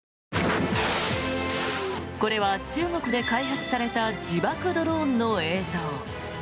これは中国で開発された自爆ドローンの映像。